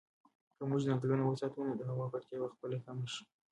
که موږ ځنګلونه وساتو نو د هوا ککړتیا به په خپله کمه شي.